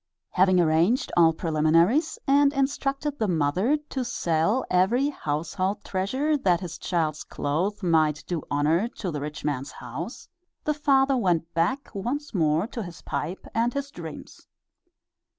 Having arranged all preliminaries and instructed the mother to sell every household treasure that his child's clothes might do honor to the rich man's house, the father went back once more to his pipe and his dreams.